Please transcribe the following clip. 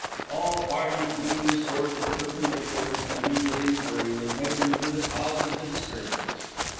All parties being restored to the perpendicular, an immediate inquiry was made into the cause of the disturbance.